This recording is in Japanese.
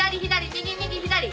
右右左。